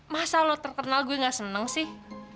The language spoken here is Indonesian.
masa loh terkenal gue gak seneng sih